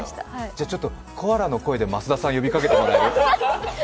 じゃ、ちょっとコアラの声で増田さん、呼びかけてもらえる？